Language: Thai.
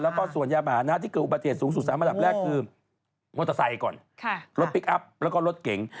แล้วก็ส่วนยามหานะที่เกิดอุบัติเหตุสูงสุด๓อันดับแรกคือมอเตอร์ไซค์ก่อนรถพลิกอัพแล้วก็รถเก๋ง